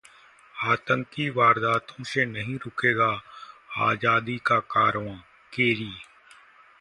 आतंकी वारदातों से नहीं रुकेगा आजादी का कारवां: केरी